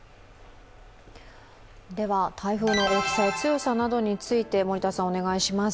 では、台風の大きさや強さなどについて森田さん、お願いします。